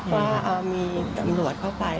ว่ามีตำรวจเข้าไป